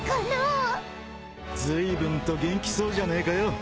ずいぶんと元気そうじゃねえかよ。